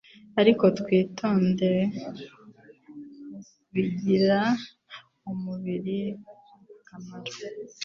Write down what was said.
ariko bwitondewe, bigirira umubiri akamaro.